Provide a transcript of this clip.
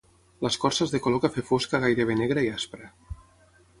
L'escorça és de color cafè fosc a gairebé negra i aspra.